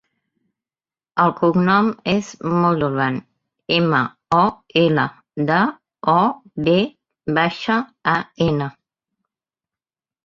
El cognom és Moldovan: ema, o, ela, de, o, ve baixa, a, ena.